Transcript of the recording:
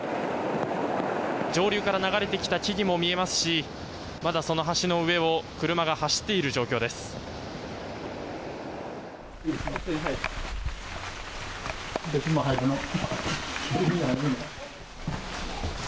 上流から流れてきた木々も見えますしまだその橋の上を車が走っている状況です。